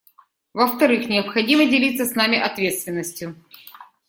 Во-вторых, необходимо делиться с нами ответственностью.